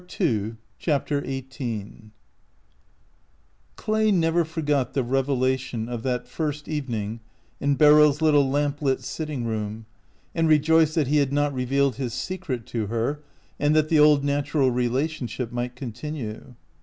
216 CHAPTER XVIII CLAY never forgot the revelation of that first evening in Beryl's little lamp lit sitting room, and rejoiced that he had not revealed his secret to her, and that the old natural relationship might continue.